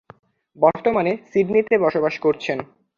বর্তমানে সিডনিতে বসবাস করছেন।